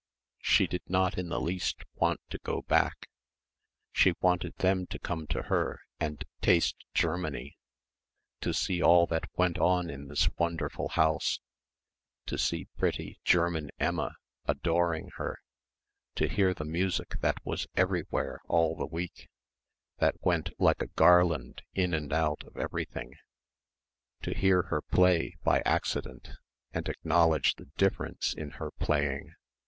She did not in the least want to go back. She wanted them to come to her and taste Germany to see all that went on in this wonderful house, to see pretty, German Emma, adoring her to hear the music that was everywhere all the week, that went, like a garland, in and out of everything, to hear her play, by accident, and acknowledge the difference in her playing.